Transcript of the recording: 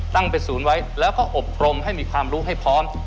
ตั้งเป็นศูนย์ไว้แล้วก็อบรมให้มีความรู้ให้พร้อม